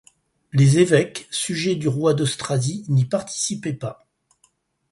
Les évêques sujets du roi d'Austrasie n'y participaient pas.